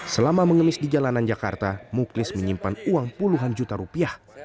selama mengemis di jalanan jakarta muklis menyimpan uang puluhan juta rupiah